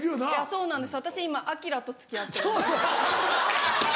そうなんです